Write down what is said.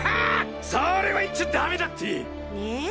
それは言っちゃダメだって。ね。